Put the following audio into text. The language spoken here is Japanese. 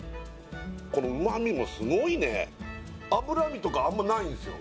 この旨みもすごいね脂身とかあんまないんすよ